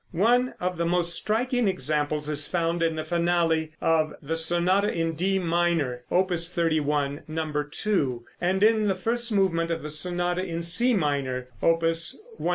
One of the most striking examples is found in the finale of the sonata in D minor, Opus 31, No. 2, and in the first movement of the sonata in C minor, Opus 111.